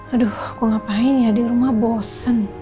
aduh kok ngapain ya di rumah bosen